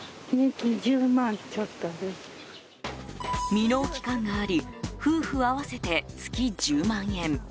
未納期間があり夫婦合わせて月１０万円。